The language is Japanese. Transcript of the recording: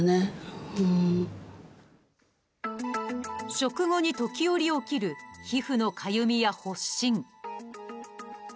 食後に時折起きる皮膚のかゆみや発疹。